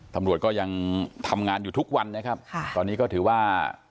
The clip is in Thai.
ตำรวจก็ยังทำงานอยู่ทุกวันนะครับค่ะตอนนี้ก็ถือว่า